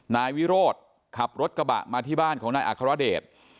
นายวิโรธขับรถกระบะมาที่บ้านของนายอัครเดช